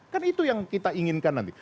kan itu yang kita inginkan nanti